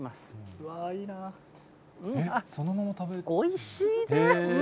おいしいね。